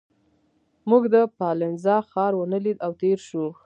موږ د پالنزا ښار ونه لید او تېر شوو.